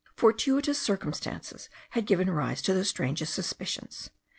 Fortuitous circumstances had given rise to the strangest suspicions.